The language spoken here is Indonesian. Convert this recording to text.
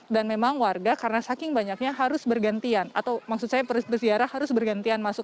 dan memang warga karena saking banyaknya harus bergantian atau maksud saya perziarah harus bergantian masuk